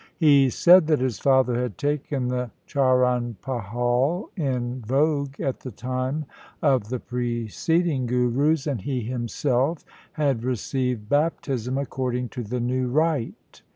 He said that his father had taken the charanfahul in vogue at the time of the preceding Gurus, and he himself had received baptism according to the new rite.